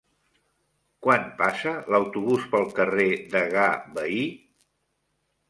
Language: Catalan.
Quan passa l'autobús pel carrer Degà Bahí?